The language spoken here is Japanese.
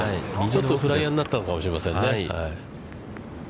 ちょっとフライヤーになったのかもしれませんね。